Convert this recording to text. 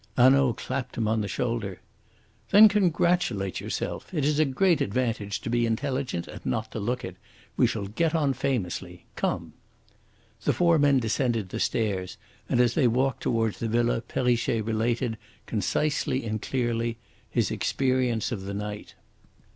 Hanaud clapped him on the shoulder. "Then congratulate yourself! It is a great advantage to be intelligent and not to look it. We shall get on famously. Come!" The four men descended the stairs, and as they walked towards the villa Perrichet related, concisely and clearly, his experience of the night.